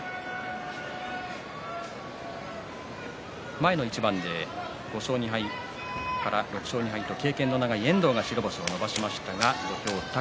前の一番で５勝２敗から６勝２敗と経験の長い遠藤が星を伸ばしましたが土俵上の宝